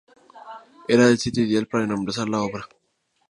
Era esa el sitio ideal para emplazar la obra.